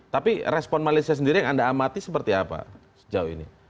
jadi respon malaysia sendiri yang anda amati seperti apa sejauh ini